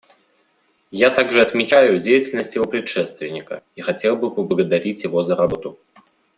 Я также отмечаю деятельность его предшественника и хотел бы поблагодарить его за работу.